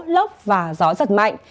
lốc và gió giật mạnh